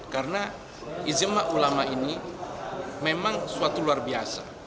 karena izimah ulama ini memang suatu luar biasa